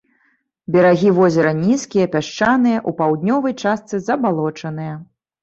Берагі возера нізкія, пясчаныя, у паўднёвай частцы забалочаныя.